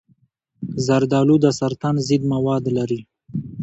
زردآلو د سرطان ضد مواد لري.